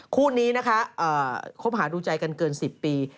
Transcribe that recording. คู่นี้นะคะคบหาดูใจกันเกิน๑๐ปี